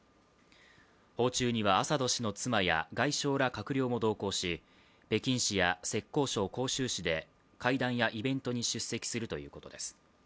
訪中にはアサド氏の妻や外相ら閣僚も同行し、北京市や浙江省杭州市で会談やイベントに出席するということです。